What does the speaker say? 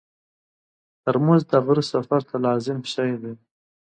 ترموز د غره سفر ته لازم شی دی.